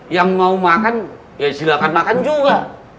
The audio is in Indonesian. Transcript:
yang mau makan ya silahkan makan juga